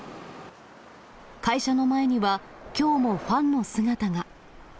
会社の前には、きょうもファンの姿が。